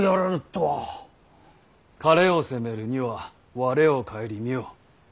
「彼を攻めるには我を顧みよ」。